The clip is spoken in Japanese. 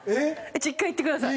１回行ってください。